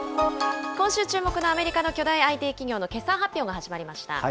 今週注目のアメリカの巨大ＩＴ企業の決算発表が始まりました。